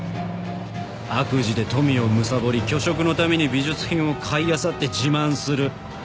悪事で富をむさぼり虚飾のために美術品を買いあさって自慢する。